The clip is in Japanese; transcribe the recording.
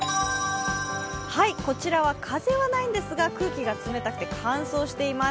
こちらは風はないんですか、空気が冷たくて乾燥しています。